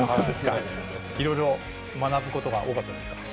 いろいろ学ぶことが多かったですか？